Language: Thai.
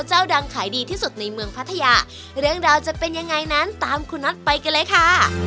เจ้าดังขายดีที่สุดในเมืองพัทยาเรื่องราวจะเป็นยังไงนั้นตามคุณน็อตไปกันเลยค่ะ